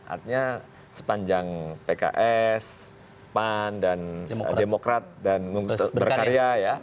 artinya sepanjang pks pan dan demokrat dan berkarya ya